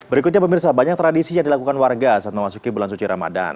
berikutnya pemirsa banyak tradisi yang dilakukan warga saat memasuki bulan suci ramadan